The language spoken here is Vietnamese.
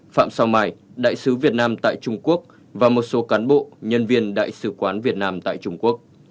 phạm sao mài đại sứ việt nam tại trung quốc và một số cán bộ nhân viên đại sứ quán việt nam tại trung quốc